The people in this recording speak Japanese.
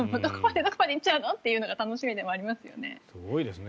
どこまで行っちゃうの？というのが楽しみでもありますよね。